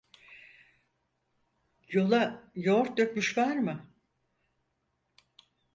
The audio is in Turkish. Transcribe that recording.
Yola yoğurt dökmüş var mı?